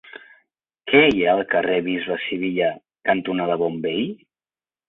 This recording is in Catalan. Què hi ha al carrer Bisbe Sivilla cantonada Bonveí?